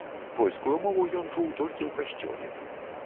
Польскую мову ён чуў толькі ў касцёле.